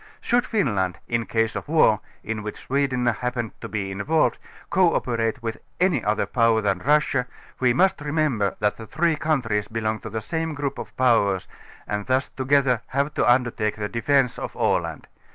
Should Finland, in case of war, in which Sweden happen ed to be involved, cooperate with any other power than Russia, we must remember that the three countries belong to the same group of powers, and thus together have to under take the defence of Aland.